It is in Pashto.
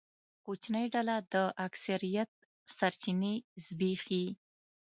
کوچنۍ ډله د اکثریت سرچینې زبېښي.